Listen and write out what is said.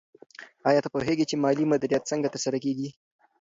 آیا ته پوهېږې چې مالي مدیریت څنګه ترسره کېږي؟